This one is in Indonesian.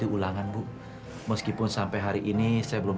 emangnya lo bisa jualan koran